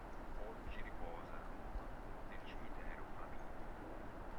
Oggi riposa a Roma nel Cimitero Flaminio.